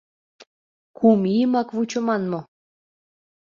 Кум ийымак вучыман мо?